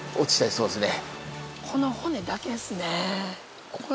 そうですね。